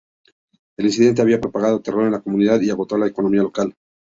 El incidente había propagado terror en la comunidad, y agotó la economía local.